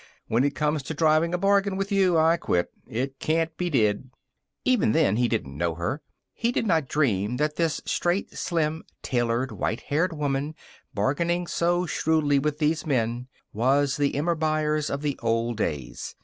When it comes to driving a bargain with you, I quit. It can't be did!" Even then he didn't know her. He did not dream that this straight, slim, tailored, white haired woman, bargaining so shrewdly with these men, was the Emma Byers of the old days.